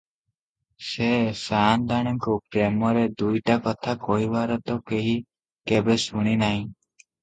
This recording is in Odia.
ସେ ସାଆନ୍ତାଣୀଙ୍କୁ ପ୍ରେମରେ ଦୁଇଟା କଥା କହିବାର ତ କେହି କେବେ ଶୁଣି ନାହିଁ ।